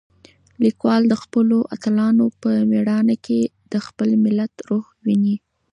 لیکوال د خپلو اتلانو په مېړانه کې د خپل ملت روح وینه.